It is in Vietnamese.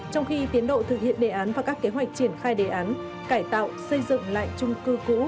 trong khi tiến độ thực hiện đề án và các kế hoạch triển khai đề án cải tạo xây dựng lại trung cư cũ